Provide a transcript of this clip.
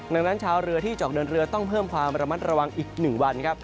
ดังนั้นชาวเรือที่จะออกเดินเรือต้องเพิ่มความระมัดระวังอีก๑วันครับ